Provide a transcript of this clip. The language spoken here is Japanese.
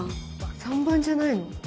３番じゃないの？